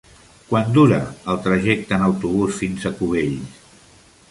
Quant dura el trajecte en autobús fins a Cubells?